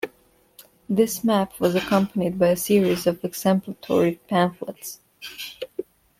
This map was accompanied by a series of explanatory pamphlets.